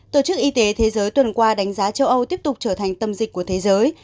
tổ chức y tế thế giới tuần qua đánh giá châu âu tiếp tục trở thành tâm dịch của thế giới